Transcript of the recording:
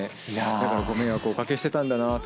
だから、ご迷惑をおかけしてたんだなと。